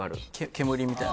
煙みたいな？